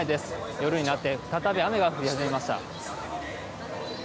夜になって再び雨が降り始めました。